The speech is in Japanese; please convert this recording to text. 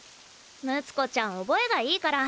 睦子ちゃん覚えがいいから。